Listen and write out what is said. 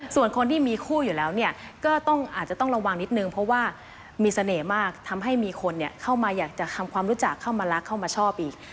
ส่วนคนที่มีคู่อยู่แล้วเนี่ยก็อาจจะต้องระวังนิดนึงเพราะว่ามีเสน่ห์มากทำให้มีคนเข้ามาอยากจะทำความรู้จักเข้ามารักเข้ามาชอบอีก